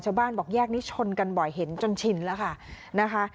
ชาวบ้านบอกแยกนี้ชนกันบ่อยเห็นจนชินแล้วค่ะ